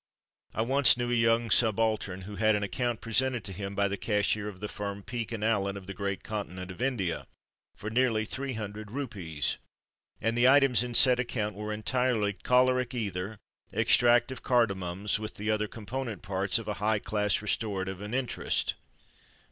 I once knew a young subaltern who had an account presented to him by the cashier of the firm of Peake and Allen, of the great continent of India, for nearly 300 rupees; and the items in said account were entirely chloric ether, extract of cardamoms with the other component parts of a high class restorative, and interest.